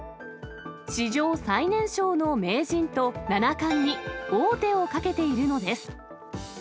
史上最年少の名人と七冠に王手をかけているのです。